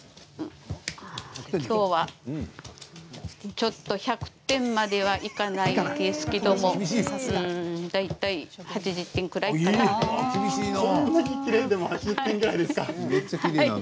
きょうはちょっと１００点まではいかないですけど大体８０点ぐらいかな。